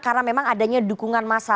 karena memang adanya dukungan massa